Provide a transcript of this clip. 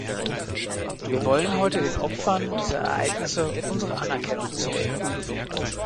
Wir wollen heute den Opfern dieser Ereignisse unsere Anerkennung zollen.